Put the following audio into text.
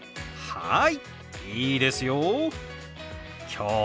はい。